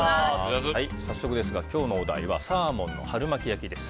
早速ですが、今日のお題はサーモンの春巻き焼きです。